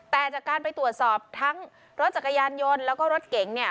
แต่จากการไปตรวจสอบทั้งรถจักรยานยนต์และรถเก่ง